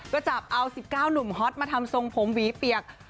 ก็จับเอา๑๙หนุ่มฮอตมาทำทรงผมหวีเปียก